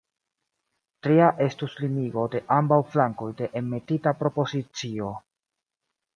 Tria estus limigo de ambaŭ flankoj de enmetita propozicio.